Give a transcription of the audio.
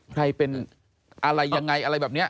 ใครเป็นอะไรยังไงอะไรแบบนี้